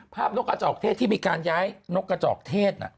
นกกระจอกเทศที่มีการย้ายนกกระจอกเทศ